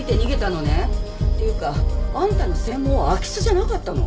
っていうかあんたの専門は空き巣じゃなかったの？